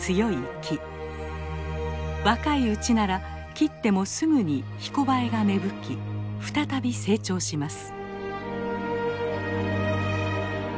若いうちなら切ってもすぐにひこばえが芽吹き再び成長します。